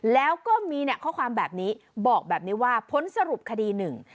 แล้วก็มีเนี่ยข้อความแบบนี้บอกแบบนี้ว่าผลสรุปคดีหนึ่ง